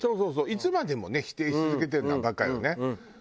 いつまでもね否定し続けてるのはバカよね。